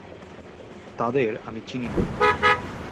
তাদের আমি চিনি না।